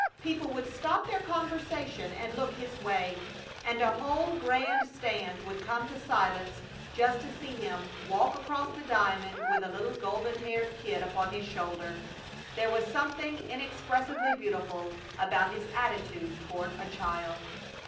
People would stop their conversation and look his way; and a whole grand stand would come to silence just to see him walk across the diamond with a little golden haired kid upon his shoulder. There was something inexpressibly beautiful about his attitude toward a child.